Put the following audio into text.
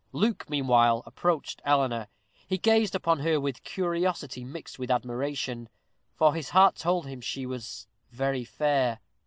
Luke, meanwhile, approached Eleanor. He gazed upon her with curiosity mixed with admiration, for his heart told him she was very fair.